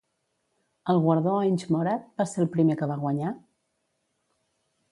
El guardó Inge Morath va ser el primer que va guanyar?